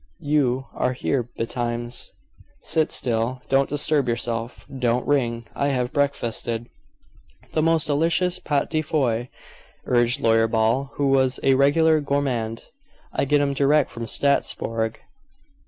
You are here betimes." "Sit still; don't disturb yourself. Don't ring; I have breakfasted." "The most delicious pate de foie," urged Lawyer Ball, who was a regular gourmand. "I get 'em direct from Strasbourg."